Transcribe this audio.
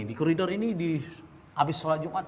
istrinya khas leuk hu sweety